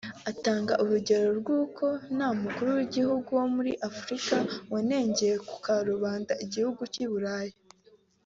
Atanga urugero rw’uko nta Mukuru w’Igihugu wo muri Afurika wanengeye ku karubanda igihugu cy’i Burayi